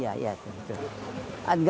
proyek tahun berikutnya